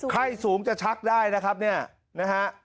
ไข้สูงจะชักได้นะครับเนี่ยนะฮะ